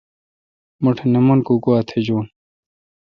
مٹھ نہ من کو گوا تھجیون ۔